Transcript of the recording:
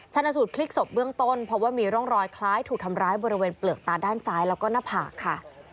ชนะสูตรพลิกศพเบื้องต้นเพราะว่ามีร่องรอยคล้ายถูกทำร้ายบริเวณเปลือกตาด้านซ้ายแล้วก็หน้าผากค่ะ